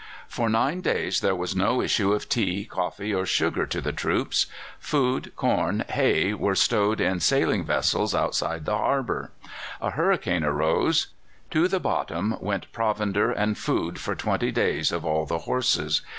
For nine days there was no issue of tea, coffee, or sugar to the troops. Food, corn, hay were stowed in sailing vessels outside the harbour. A hurricane arose. To the bottom went provender and food for twenty days of all the horses.